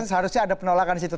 seharusnya ada penolakan di situ